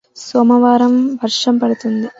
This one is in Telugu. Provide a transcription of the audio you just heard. సోమవారం వర్షం పడవచ్చు